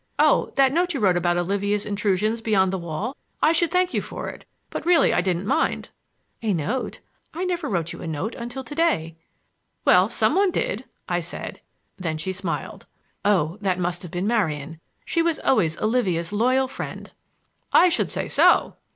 Oh, that note you wrote about Olivia's intrusions beyond the wall! I should thank you for it,—but I really didn't mind." "A note? I never wrote you a note until to day!" "Well, some one did!" I said; then she smiled. "Oh, that must have been Marian. She was always Olivia's loyal friend!" "I should say so!"